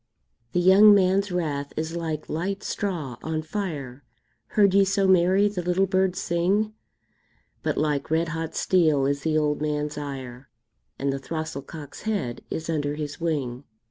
The young man's wrath is like light straw on fire; Heard ye so merry the little bird sing? But like red hot steel is the old man's ire, And the throstle cock's head is under his wing.